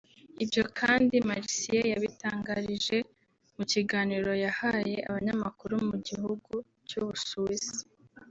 Ibyo kandi Marixie yabitangarije mu kiganiro yahaye abanyamakuru mu gihugu cy’u Busuwisi